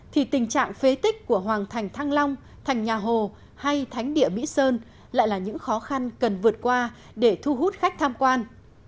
thì tình trạng phế tích của hoàng thành thăng long thành nhà hồ hay thánh địa mỹ sơn lại là những khó khăn cần vượt qua để thu hút khách tham quan